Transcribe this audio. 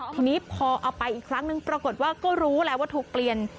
ทีนี้พอเอาไปอีกครั้งนึงปรากฏว่าก็รู้แล้วว่าถูกเปลี่ยน